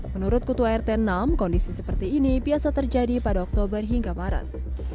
menurut ketua rt enam kondisi seperti ini biasa terjadi pada oktober hingga maret